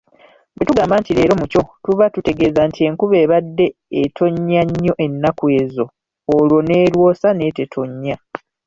Bwe tugamba nti leero muco tuba tutegeeza nti enkuba ebadde etonnya nnyo ennaku ezo olwo n'erwosa neetetonnya.